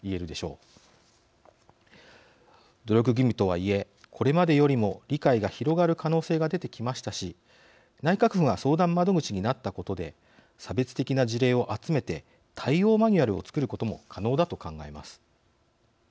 努力義務とはいえこれまでよりも理解が広がる可能性が出てきましたし内閣府が相談窓口になったことで差別的な事例を集めて対応マニュアルを作ることも可能だと考えます。